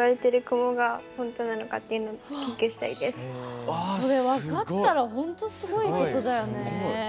分かったら本当にすごいことだよね。